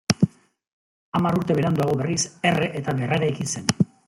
Hamar urte beranduago berriz erre eta berreraiki zen.